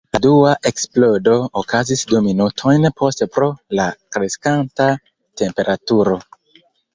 La dua eksplodo okazis du minutojn poste pro la kreskanta temperaturo.